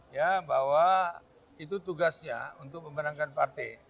ya bahwa itu tugasnya untuk memenangkan partai